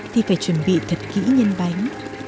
thì phải chuẩn bị thật kỹ nhân bánh